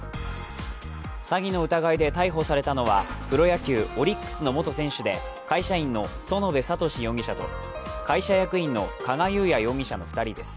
詐欺の疑いで逮捕されたのはプロ野球、オリックスの元選手で会社員の園部聡容疑者と、会社役員の加賀裕也容疑者の２人です。